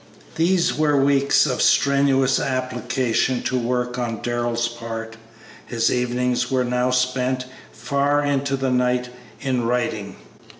These were weeks of strenuous application to work on Darrell's part. His evenings were now spent, far into the night, in writing.